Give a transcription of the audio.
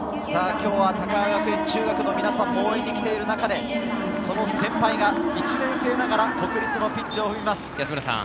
今日は高川学園中学の皆さんも応援に来ている中で、先輩が１年生ながら国立のピッチを踏みます。